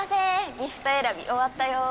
ギフト選び終わったよ！